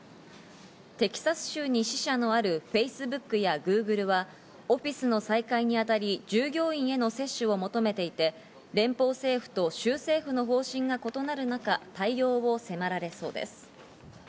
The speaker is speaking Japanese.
テキサス州に支社のあるフェイスブックやＧｏｏｇｌｅは、オフィスの再開にあたり、従業員への接種を求めていて、連邦政府と州政府の方針が異なる中、対応を迫られそうです。